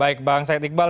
baik bang syed iqbal